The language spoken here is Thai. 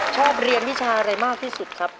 ชอบเรียนวิชาอะไรมากที่สุดครับ